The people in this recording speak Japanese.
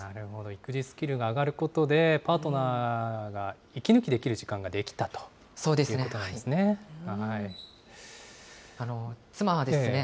育児スキルが上がることで、パートナーが息抜きできる時間ができたということなんですね。